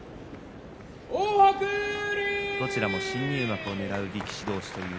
どちらも新入幕をねらう力士同士。